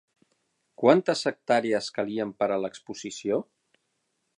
Quantes hectàrees calien per a l'exposició?